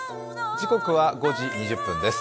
時刻は５時２０分です。